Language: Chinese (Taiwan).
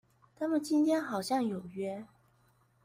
他們今天好像有約